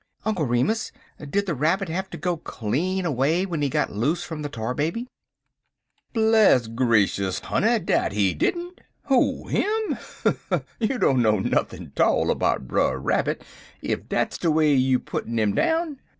"Uncle Remus, did the Rabbit have to go clean away when he got loose from the Tar Baby?" "Bless gracious, honey, dat he didn't. Who? Him? You dunno nuthin' 'tall 'bout Brer Rabbit ef dat's de way you puttin' 'im down.